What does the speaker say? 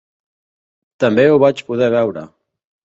També ho vaig poder veure.